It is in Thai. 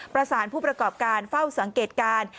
ประกอบผู้ประกอบการเฝ้าสังเกตการณ์